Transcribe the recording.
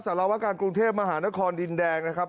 สารวการกรุงเทพมหานครดินแดงนะครับ